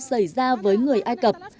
xảy ra với người ai cập